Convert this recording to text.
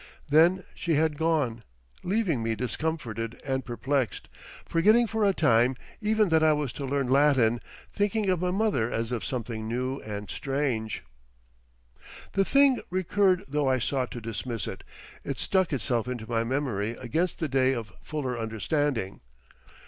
Then she had gone, leaving me discomforted and perplexed, forgetting for a time even that I was to learn Latin, thinking of my mother as of something new and strange. The thing recurred though I sought to dismiss it, it stuck itself into my memory against the day of fuller understanding.